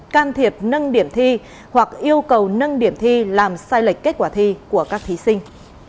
can thiệp nâng điểm thi hoặc yêu cầu nâng điểm thi làm sai lệch kết quả thi của các thí sinh